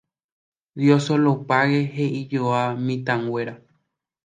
Dioselopáge, he'ijoa mitãnguéra